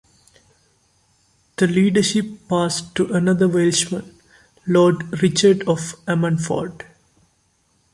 The leadership passed to another Welshman, Lord Richard of Ammanford.